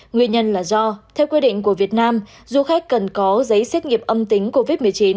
nguyên nhân là do theo quy định của việt nam du khách cần có giấy xét nghiệm âm tính covid một mươi chín